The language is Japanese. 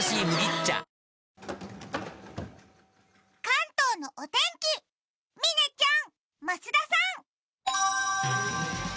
関東のお天気、嶺ちゃん、増田さん。